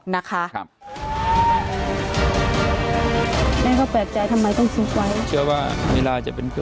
นะคะ